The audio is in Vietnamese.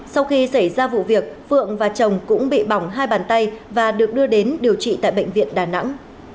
sau khi xảy ra vụ việc phượng và chồng cũng bị bỏng hai bàn tay và được đưa đến điều trị tại bệnh viện đà nẵng